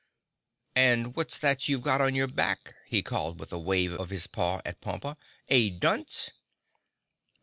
"And what's that you've got on your back?" he called, with a wave of his paw at Pompa. "A dunce?"